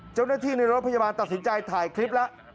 เจ้าหน้าที่ในรถพยาบาลตัดสินใจถ่ายคลิปแล้ว